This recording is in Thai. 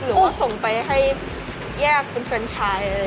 หรือว่าส่งไปให้แยกเป็นแฟนชาย